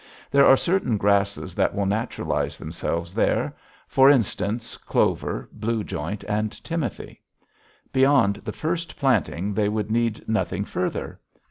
There are certain grasses that will naturalize themselves there for instance, clover, blue joint, and timothy. Beyond the first planting they would need nothing further.